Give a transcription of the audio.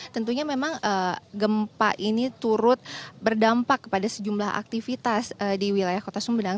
tentunya memang gempa ini turut berdampak kepada sejumlah aktivitas di wilayah kota sumedang